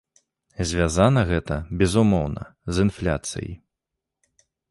Звязана гэта, безумоўна, з інфляцыяй.